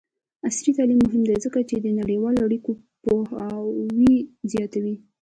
عصري تعلیم مهم دی ځکه چې د نړیوالو اړیکو پوهاوی زیاتوي.